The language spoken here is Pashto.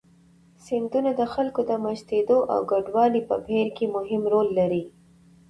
سیندونه د خلکو د مېشتېدو او کډوالۍ په بهیر کې مهم رول لري.